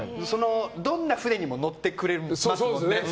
どんな船にも乗ってくれますもんね。